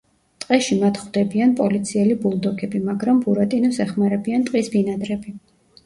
ტყეში მათ ხვდებიან პოლიციელი ბულდოგები, მაგრამ ბურატინოს ეხმარებიან ტყის ბინადრები.